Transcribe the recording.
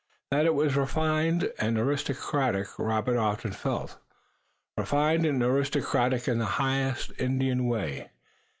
That it was refined and aristocratic Robert often felt, refined and aristocratic in the highest Indian way.